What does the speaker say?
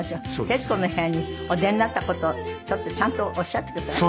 『徹子の部屋』にお出になった事ちゃんとおっしゃってください。